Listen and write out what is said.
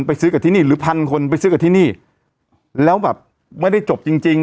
ซื้อกับที่นี่หรือพันคนไปซื้อกับที่นี่แล้วแบบไม่ได้จบจริงจริง